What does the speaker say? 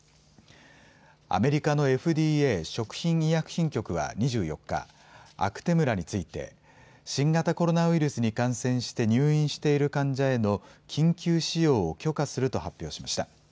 アメリカのＦＤＡ・食品医薬品局は２４日、アクテムラについて新型コロナウイルスに感染して入院している患者への緊急使用を許可すると発表しました。